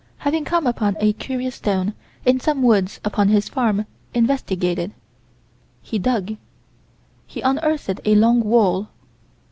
having come upon a curious stone, in some woods upon his farm, investigated. He dug. He unearthed a long wall.